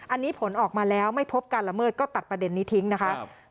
อันนี้ผลออกมาแล้วไม่พบการละเมิดก็ตัดประเด็นนี้ทิ้งนะคะ